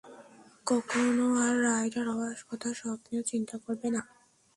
কখনও আর রাইডার হওয়ার কথা স্বপ্নেও চিন্তা করবে না।